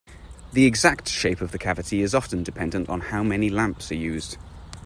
The exact shape of the cavity is often dependent on how many lamps are used.